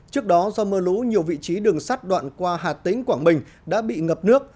trước đó do mưa lũ nhiều vị trí đường sắt đoạn qua hà tĩnh quảng bình đã bị ngập nước